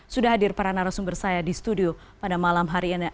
sudah hadir para narasumber saya di studio pada malam hari ini